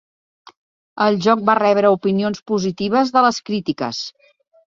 El joc va rebre opinions positives de les crítiques.